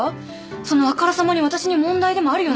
そのあからさまに私に問題でもあるような。